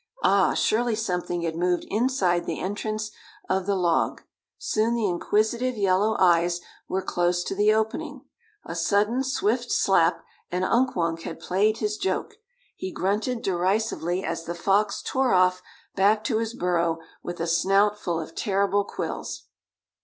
Ah, surely something had moved inside the entrance of the log. Soon the inquisitive yellow eyes were close to the opening. A sudden swift slap, and Unk Wunk had played his joke. He grunted derisively as the fox tore off back to his burrow with a snout full of terrible quills.